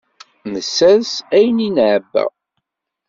Nessers ayen id-nɛebba.